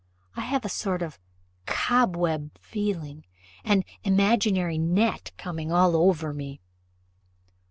I have a sort of cobweb feeling, an imaginary net coming all over me."